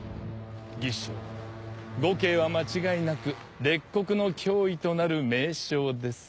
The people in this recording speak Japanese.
魏将・呉慶は間違いなく列国の脅威となる名将ですよ。